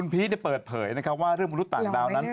ที่เปิดเผยว่าเรื่องมนุษย์ต่างดาวนั้น